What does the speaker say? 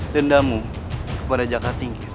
dendamu kepada jakarta tinggi